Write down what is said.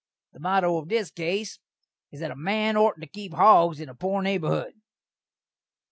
The motto of this case is that a man ortent to keep hogs in a poor naberhood.